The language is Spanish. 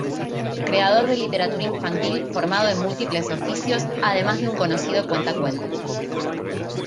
Creador de literatura infantil formado en múltiples oficios, además de un conocido cuentacuentos.